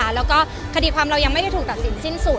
แล้วก็คดีความเรายังไม่ได้ถูกตัดสินสิ้นสุด